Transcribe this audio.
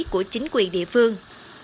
của chính quyền địa phương